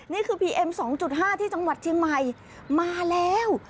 นี่คือพีเอ็ม๒๕ที่จังหวัดเชียงใหม่มาแล้ว